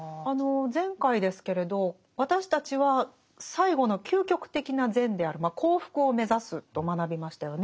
前回ですけれど私たちは最後の究極的な善である「幸福」を目指すと学びましたよね。